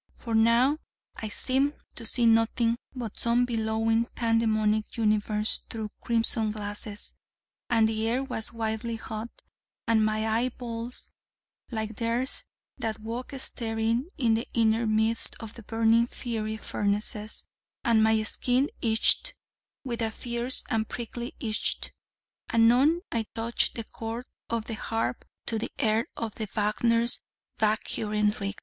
For now I seemed to see nothing but some bellowing pandemonic universe through crimson glasses, and the air was wildly hot, and my eye balls like theirs that walk staring in the inner midst of burning fiery furnaces, and my skin itched with a fierce and prickly itch. Anon I touched the chords of the harp to the air of Wagner's 'Walküren ritt.'